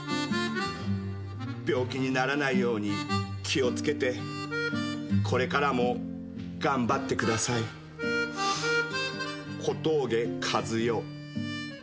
「病気にならないように気を付けてこれからも頑張ってください」「小峠カズヨ」